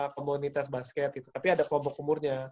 komunitas basket tapi ada kelompok umurnya